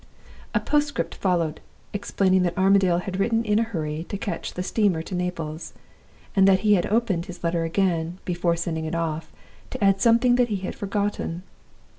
"A postscript followed, explaining that Armadale had written in a hurry to catch the steamer to Naples, and that he had opened his letter again, before sending it off, to add something that he had forgotten.